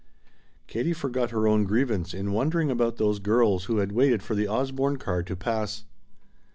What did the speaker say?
Katie forgot her own grievance in wondering about those girls who had waited for the Osborne car to pass.